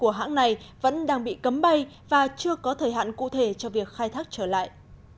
của hãng này vẫn đang bị cấm bay và chưa có thời hạn cụ thể cho việc khai thác trở lại